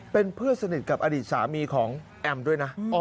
เป็นเพื่อนสนิทกับอดีตสามีของแอมด้วยนะ